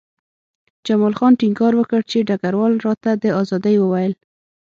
جمال خان ټینګار وکړ چې ډګروال راته د ازادۍ وویل